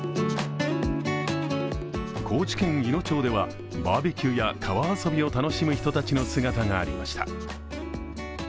高知県いの町ではバーベキューや川遊びを楽しむ人たちの姿がありました。